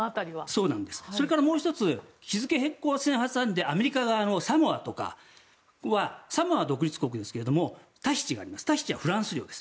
それからもう１つ日付変更線を挟んでアメリカ側のサモアとかはサモアは独立国ですがタヒチはフランス国です。